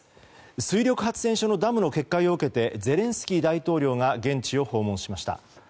水力発電所のダムの決壊を受けてゼレンスキー大統領が現地を訪問しました。